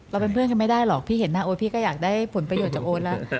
เป็นเพื่อนกันไม่ได้หรอกพี่เห็นหน้าโอ๊ตพี่ก็อยากได้ผลประโยชน์จากโอ๊ตแล้ว